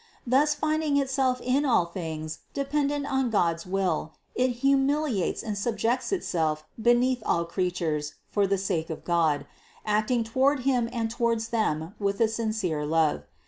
Thus, finding itself in all things dependent on God's divine will, it humiliates and subjects itself beneath all creatures for the sake of God, acting toward Him and towards them with a sincere love.